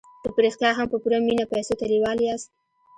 که په رښتیا هم په پوره مينه پيسو ته لېوال ياست.